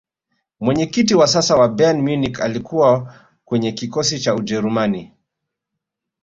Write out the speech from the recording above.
mwenyekiti wa sasa wa bayern munich alikuwa kwenye kikosi cha ujerumani